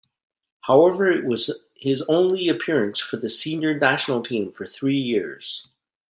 However it was his only appearance for the senior national team for three years.